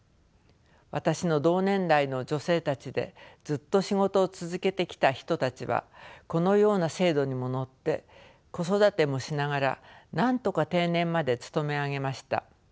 私の同年代の女性たちでずっと仕事を続けてきた人たちはこのような制度にも乗って子育てもしながらなんとか定年まで勤め上げました。